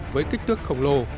với kích thước khổng lồ